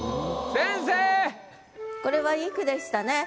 これは良い句でしたね。